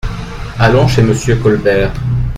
Allons chez Monsieur Colbert.